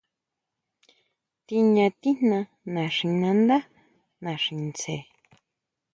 Tiña tijna naxinandá naxi tsé.